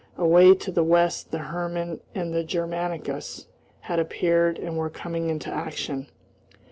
Away to the west the Hermann and the Germanicus had appeared and were coming into action.